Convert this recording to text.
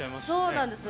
そうなんです。